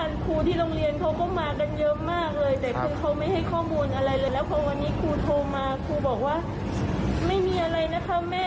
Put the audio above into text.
อะไรน้องตกลงไปมันเป็นไปไม่ได้